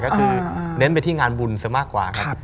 ก็คือเน้นไปที่งานบุญซะมากกว่าครับ